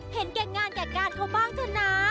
เห็นแก่งงานกับการเขาบ้างชนะ